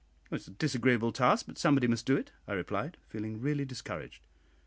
"It is a disagreeable task, but somebody must do it," I replied, feeling really discouraged.